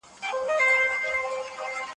که حضوري تدریس وشي، نو اړیکه مخامخ وي.